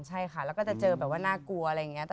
ใช่ค่ะแล้วก็จะเจอแบบว่าน่ากลัวอะไรอย่างนี้